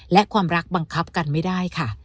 และความรักบังคับกันไม่ได้ค่ะ